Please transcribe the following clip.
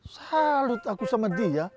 salut aku sama dia